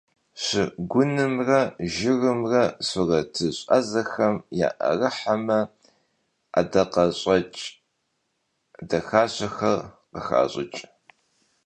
Şşıgunımre jjırımre suretış' 'ezexem ya'erıheme, 'edakheş'eç' daxaşexer khıxaş'ıç'.